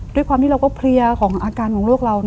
ด้วยความที่เราก็เพลียของอาการของลูกเรา